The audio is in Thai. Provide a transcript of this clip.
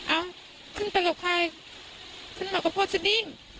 เอ้าขึ้นไปกับใครขึ้นมากับพ่อสดิ้ง